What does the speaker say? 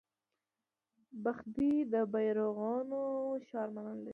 بخدي د بیرغونو ښار مانا لري